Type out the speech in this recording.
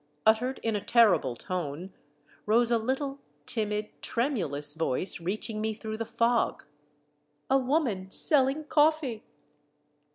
uttered in a terrible tone, rose a little, timid, tremulous voice reaching me through the fog, —*' A woman selling coffee."